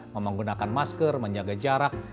menggunakan masker menjaga jarak